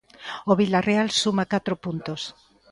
O Vilarreal suma catro puntos.